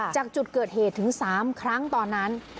จากจุดเกิดเหตุถึง๓ครั้งตอนนั้น